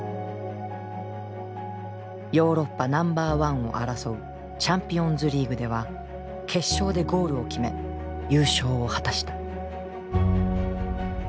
ヨーロッパナンバー１を争うチャンピオンズリーグでは決勝でゴールを決め優勝を果たした。